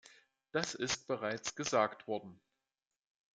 Das ist bereits gesagt worden.